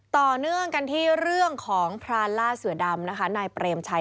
ต่อเนื่องกันที่เรื่องของพรานล่าเสือดำนะคะนายเปรมชัย